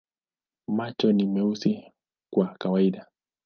Macho ni meusi kwa kawaida.